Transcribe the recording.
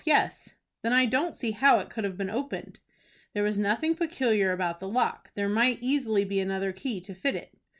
Yes." "Then I don't see how it could have been opened." "There was nothing peculiar about the lock. There might easily be another key to fit it."